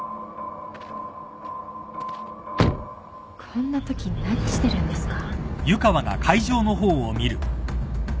こんなときに何してるんですか？